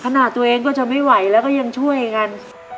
ตัวเองก็จะไม่ไหวแล้วก็ยังช่วยกัน